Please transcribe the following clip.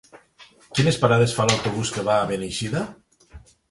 Quines parades fa l'autobús que va a Beneixida?